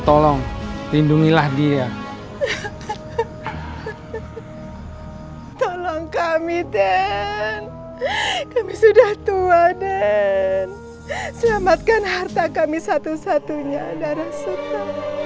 tolong lindungilah dia tolong kami den kami sudah tua den selamatkan harta kami satu satunya darasulta